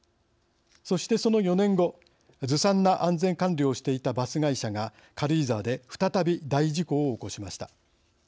そしてその４年後ずさんな安全管理をしていたバス会社が軽井沢で再び大事故を起こしました。